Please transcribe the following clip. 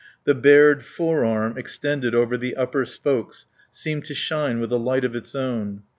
The bared forearm extended over the upper spokes seemed to shine with a light of its own.